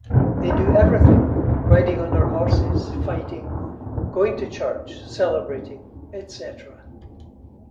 They do everything, riding on their horses, fighting, going to church, celebrating etc.